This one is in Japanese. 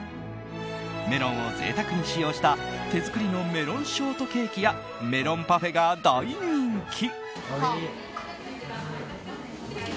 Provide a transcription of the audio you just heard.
メロンを贅沢に使用した手作りのメロンショートケーキやメロンパフェが大人気。